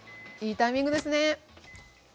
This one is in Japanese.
いいタイミングですね！